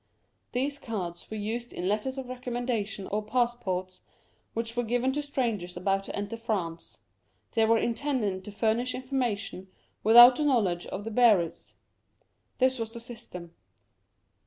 These cards were used in letters of recommendation or passports which were given to strangers about to enter France ; they were intended to furnish information without the knowledge of the bearers. This was the system.